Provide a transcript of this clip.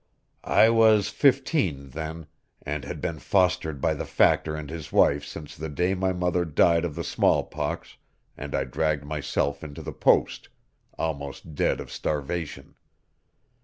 I was fifteen then, and had been fostered by the Factor and his wife since the day my mother died of the smallpox and I dragged myself into the post, almost dead of starvation.